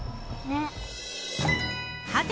ねっ。